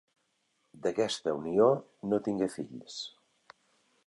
D'aquesta unió no tingué fills.